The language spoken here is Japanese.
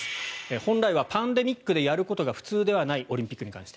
本来はパンデミックでやることが普通ではないオリンピックに関して。